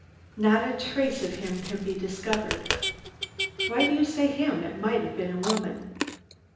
"Not a trace of him can be discovered." "Why do you say 'him.' It might have been a woman."